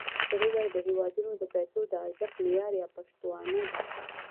سره زر د هېوادونو د پیسو د ارزښت معیار یا پشتوانه ده.